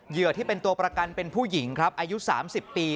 เหยื่อที่เป็นตัวประกันเป็นผู้หญิงอายุ๓๐ปี